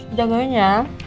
udah gak enak